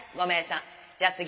じゃあ次。